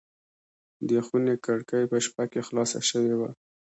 د خونې کړکۍ په شپه کې خلاصه شوې وه.